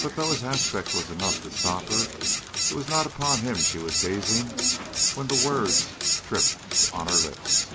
But though his aspect was enough to stop her, it was not upon him she was gazing when the words tripped on her lips.